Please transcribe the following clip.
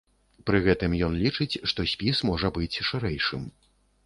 Пры гэтым ён лічыць, што спіс можа быць шырэйшым.